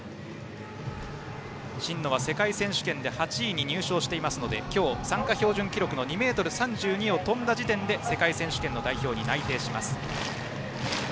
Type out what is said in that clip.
真野は世界選手権で８位に入賞していますので今日、参加標準記録の２ｍ３２を跳んだ時点で世界選手権の代表に内定します。